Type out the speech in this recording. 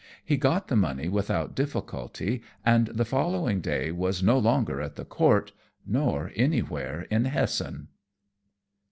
He got the money without difficulty, and the following day was no longer at the Court, nor anywhere in Hessen.